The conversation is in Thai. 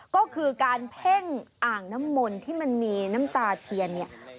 ก็คือการเพ่งอ่างน้ำมนต์ที่มันมีน้ำตาเทียนเนี่ย